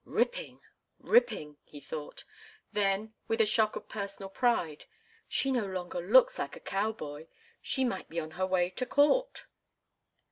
"Ripping! Ripping!" he thought. Then, with a shock of personal pride: "She no longer looks like a cow boy. She might be on her way to court."